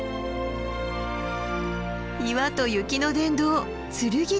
岩と雪の殿堂剱岳！